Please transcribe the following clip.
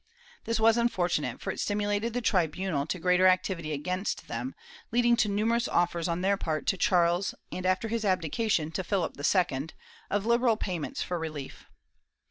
This was unfortunate, for it stimulated the tribunal to greater activity against them, leading to numerous offers on their part to Charles and, after his abdication, to Philip II, of hberal payments for relief.